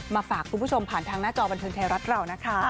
มาฝากคุณผู้ชมผ่านทางหน้าจอบันเทิงไทยรัฐเรานะคะ